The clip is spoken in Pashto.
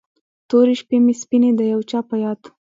تورې شپې مې سپینې د یو چا په یاد